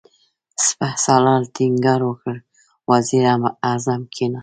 سپهسالار ټينګار وکړ، وزير اعظم کېناست.